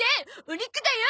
お肉だよ！